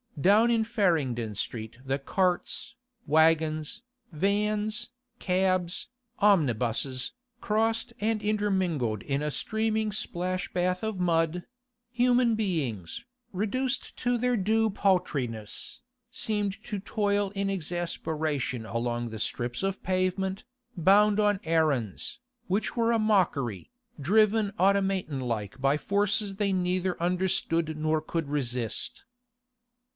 Down in Farringdon Street the carts, waggons, vans, cabs, omnibuses, crossed and intermingled in a steaming splash bath of mud; human beings, reduced to their due paltriness, seemed to toil in exasperation along the strips of pavement, bound on errands, which were a mockery, driven automaton like by forces they neither understood nor could resist.